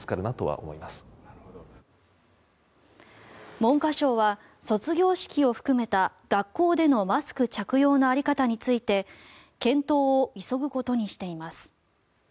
文科省は卒業式を含めた学校でのマスク着用の在り方について検討を急ぐことにしています。